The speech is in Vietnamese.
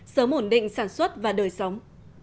sớm ổn định sản xuất và đời sống